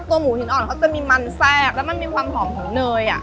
หมูหินอ่อนเขาจะมีมันแซ่บแล้วมันมีความหอมของเนยอ่ะ